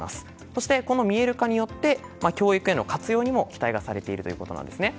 そしてこの見える化によって教育への活用にも期待がされているということなんです。